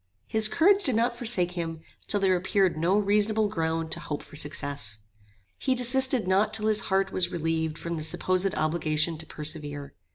His courage did not forsake him till there appeared no reasonable ground to hope for success. He desisted not till his heart was relieved from the supposed obligation to persevere.